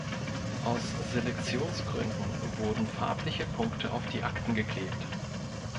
Aus Selektionsgründen wurden farbliche Punkte auf die Akten geklebt.